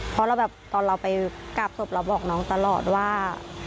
เพราะเราแบบตอนเราไปกราบศพเราบอกน้องตลอดว่า